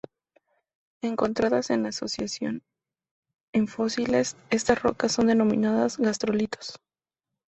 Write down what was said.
Encontradas en asociación con fósiles, estas rocas son denominadas "gastrolitos".